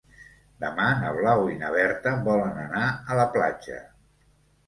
Demà na Blau i na Berta volen anar a la platja.